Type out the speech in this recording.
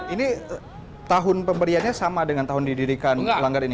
ini tahun pemberiannya sama dengan tahun didirikan langgar ini